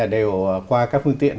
đều qua các phương tiện